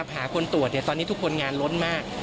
หาคนตรวจตอนนี้ทุกคนงานล้นมาก